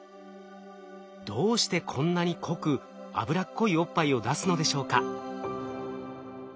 どうしてこんなに濃く脂っこいおっぱいを出すのでしょうか。